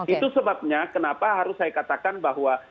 itu sebabnya kenapa harus saya katakan bahwa